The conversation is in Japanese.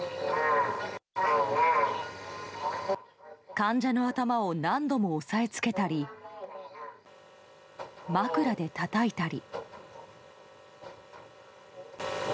患者の頭を何度も押さえつけたり枕でたたいたり。